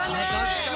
確かに！